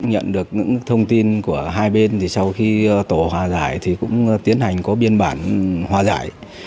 nhận được những thông tin của hai bên thì sau khi tổ hòa giải thì cũng tiến hành có biên bản hòa giải